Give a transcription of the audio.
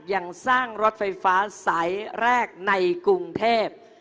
ยังสร้างรถไฟฟ้าสายแรกในกรุงเทพ